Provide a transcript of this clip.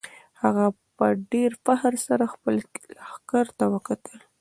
هغه په ډېر فخر سره خپل لښکر ته وکتل.